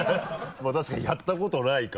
まぁ確かにやったことないからね。